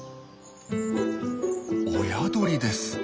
親鳥です。